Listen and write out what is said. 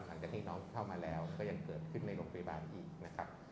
หลังจากที่น้องเข้ามาแล้วก็ยังเกิดขึ้นในโรงพยาบาลอีกนะครับ